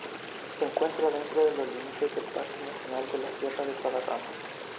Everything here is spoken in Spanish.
Se encuentra dentro de los límites del Parque nacional de la Sierra de Guadarrama.